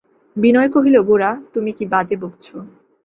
বিনয় কহিল, গোরা, তুমি কী বাজে বকছ!